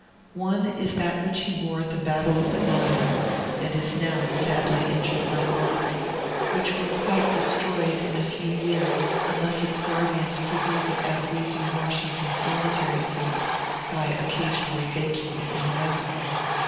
One is that which he wore at the Battle of the Nile, and it is now sadly injured by moths, which will quite destroy it in a few years, unless its guardians preserve it as we do Washington's military suit, by occasionally baking it in an oven.